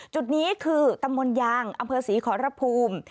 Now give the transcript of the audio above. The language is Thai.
จุดนี้คือตำวนยางอศรีขอรพูม